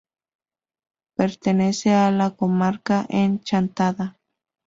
Pertenece a la comarca de Chantada.